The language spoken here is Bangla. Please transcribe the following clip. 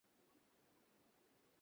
আমার গাড়ি ওখানেই রাখা।